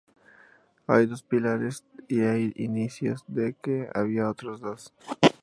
Hay dos pilares y hay indicios de que había otros dos.